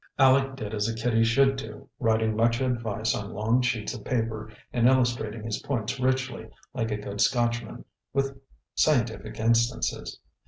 Aleck did as a kiddie should do, writing much advice on long sheets of paper, and illustrating his points richly, like a good Scotchman, with scientific instances.